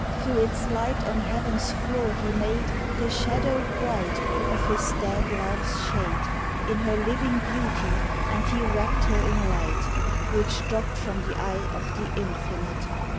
Through its light on heaven's floor he made, The shadow bright of his dead love's shade, In her living beauty, and he wrapt her in light, Which dropped from the eye of the Infinite.